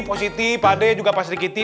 pak siti pak ade juga pak sri kitty